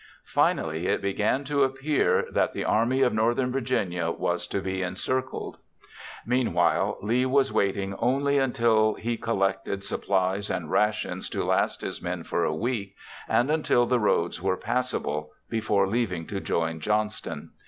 Finally, it began to appear that the Army of Northern Virginia was to be encircled. Meanwhile, Lee was waiting only until he collected supplies and rations to last his men for a week and until the roads were passable before leaving to join Johnston.